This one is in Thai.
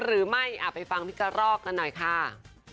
หรือไม่อ่ะไปฟังไอ้กะลอกนั้นหน่อยค่ะ